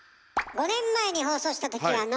５年前に放送した時はあっ